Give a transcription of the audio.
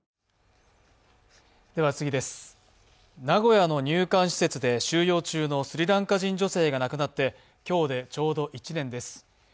名古屋の入管施設で収容中のスリランカ人女性が亡くなって今日でちょうど１年です。